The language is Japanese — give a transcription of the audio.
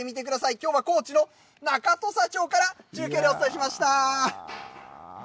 きょうは高知の中土佐町から中継でお伝えしました。